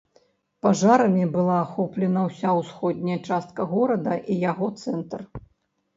Пажарамі была ахоплена ўся ўсходняя частка горада і яго цэнтр.